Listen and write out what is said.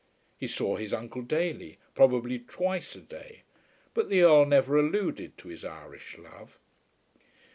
He saw his uncle daily, probably twice a day; but the Earl never alluded to his Irish love.